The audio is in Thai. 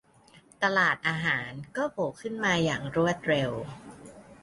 ตลาดอาหารก็โผล่ขึ้นมาอย่างรวดเร็ว